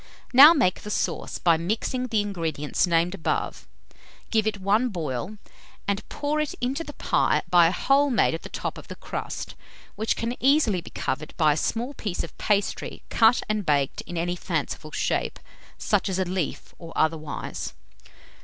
Now make the sauce, by mixing the ingredients named above; give it one boil, and pour it into the pie by a hole made at the top of the crust, which can easily be covered by a small piece of pastry cut and baked in any fanciful shape such as a leaf, or otherwise.